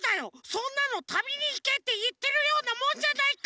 そんなの「旅にいけ」っていってるようなもんじゃないか！